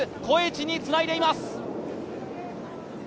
コエチにつないでいます。